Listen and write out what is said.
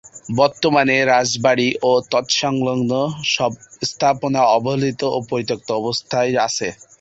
বর্তমানে রাজবাড়ি ও তৎসংলগ্ন সব স্থাপনা অবহেলিত ও পরিত্যক্ত অবস্থায় আছে।